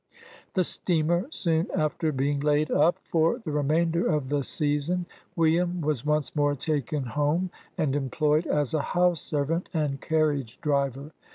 The steamer soon after being laid up for the re mainder of the season, William was once more taken home, and employed as a house servant and carriage driver.